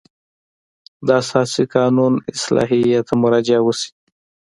د اساسي قانون اصلاحیې ته مراجعه وشي.